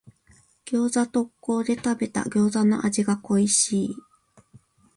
餃子特講で食べた餃子の味が恋しい。